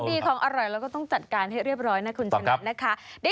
ดีของอร่อยเราก็ต้องจัดการให้เรียบร้อยนะคุณชนะนะคะ